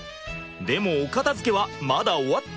でもお片づけはまだ終わっていません。